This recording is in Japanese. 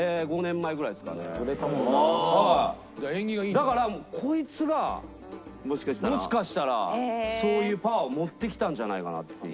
だからこいつがもしかしたらそういうパワーを持ってきたんじゃないかなっていう。